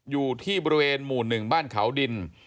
อยู่ที่บริเวณหมู่๑บ้านเขาดิน